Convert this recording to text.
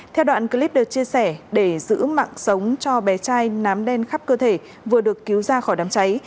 theo đoạn clip được chia sẻ để giữ mạng sống cho bé trai nám đen khắp cơ thể vừa được cứu ra khỏi đám cháy